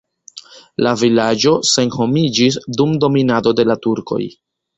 La vilaĝo senhomiĝis dum dominado de la turkoj.